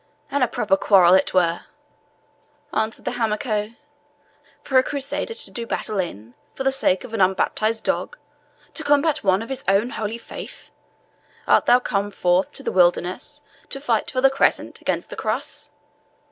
"And a proper quarrel it were," answered the Hamako, "for a Crusader to do battle in for the sake of an unbaptized dog, to combat one of his own holy faith! Art thou come forth to the wilderness to fight for the Crescent against the Cross?